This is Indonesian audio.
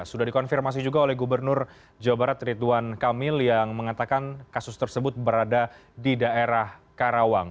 sudah dikonfirmasi juga oleh gubernur jawa barat ridwan kamil yang mengatakan kasus tersebut berada di daerah karawang